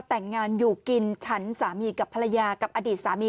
แต่งงานอยู่กินฉันสามีกับภรรยากับอดีตสามี